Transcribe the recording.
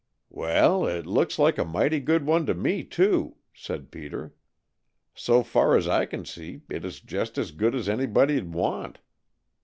"Well, it looks like a mighty good one to me, too," said Peter. "So far as I can see, it is just as good as anybody'd want."